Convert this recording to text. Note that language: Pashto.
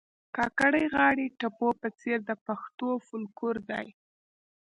کاکړۍ غاړي ټپو په څېر د پښتو فولکور دي